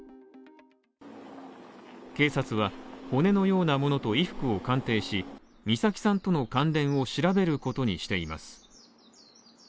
警察は骨のようなものと衣服を鑑定し、美咲さんとの関連を調べることにしています。